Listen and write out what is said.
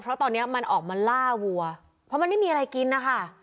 เพราะตอนนี้มันออกมาล่าวัวเพราะมันไม่มีอะไรกินนะคะ